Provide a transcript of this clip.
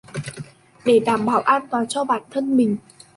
Để bảo đảm an toàn cho bản thân mình